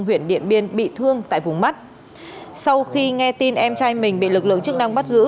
huyện điện biên bị thương tại vùng mắt sau khi nghe tin em trai mình bị lực lượng chức năng bắt giữ